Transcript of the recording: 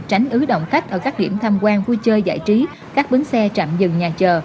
tránh ứ động khách ở các điểm tham quan vui chơi giải trí các bến xe trạm dừng nhà chờ